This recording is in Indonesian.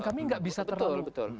kami nggak bisa terlalu